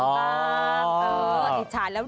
อาจจะอิจฉานะ